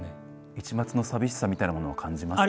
一抹の寂しさみたいなものを感じますか？